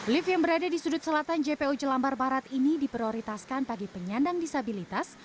lift yang berada di sudut selatan jpo jelambar barat ini diprioritaskan bagi penyandang disabilitas